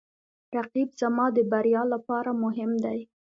رقیب زما د بریا لپاره مهم دی